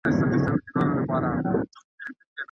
په قلم لیکنه کول د ژوند د مانا د موندلو سره مرسته کوي.